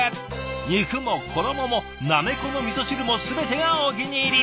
肉も衣もなめこのみそ汁も全てがお気に入り！